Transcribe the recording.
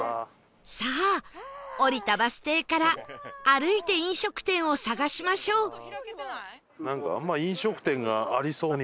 さあ降りたバス停から歩いて飲食店を探しましょう